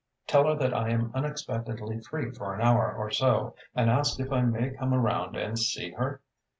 "Tell her that I am unexpectedly free for an hour or so, and ask if I may come around and see her?"